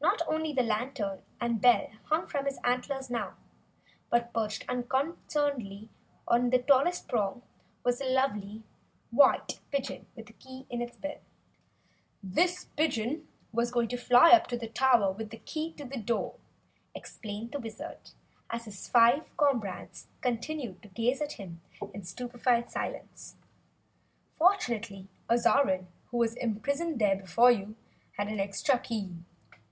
Not only the lantern and bell hung from his antlers now, but perched unconcernedly on the tallest prong, was a lovely, white pigeon with a key in his bill. "This pigeon was going to fly up to the tower with the key to the door," explained the Wizard, as his five comrades continued to gaze at him in stupefied silence. "Fortunately Azarine, who was imprisoned there before you, had an extra key.